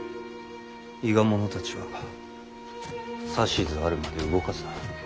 伊賀者たちは指図あるまで動かすな。